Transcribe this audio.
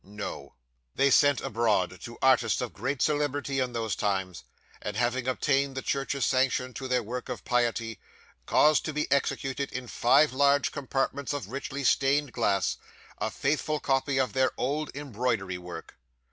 No. 'They sent abroad, to artists of great celebrity in those times, and having obtained the church's sanction to their work of piety, caused to be executed, in five large compartments of richly stained glass, a faithful copy of their old embroidery work.